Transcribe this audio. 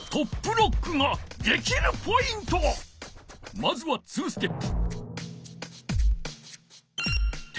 まずは２ステップ。